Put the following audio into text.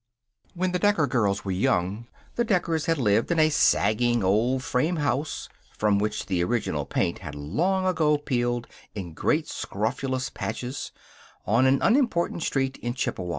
When the Decker girls were young, the Deckers had lived in a sagging old frame house (from which the original paint had long ago peeled in great scrofulous patches) on an unimportant street in Chippewa.